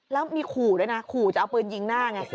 แล้วมีขู่ด้วยนะขู่จะเอาปืนยิงหน้าไง